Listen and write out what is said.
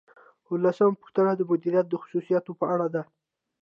اوولسمه پوښتنه د مدیریت د خصوصیاتو په اړه ده.